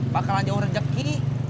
bakalan jauh rejeki